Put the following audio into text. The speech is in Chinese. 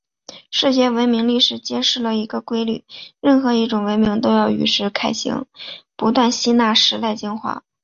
世界文明历史揭示了一个规律：任何一种文明都要与时偕行，不断吸纳时代精华。